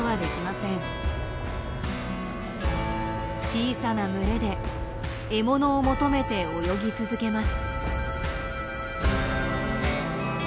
小さな群れで獲物を求めて泳ぎ続けます。